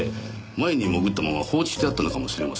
前に潜ったまま放置してあったのかもしれません。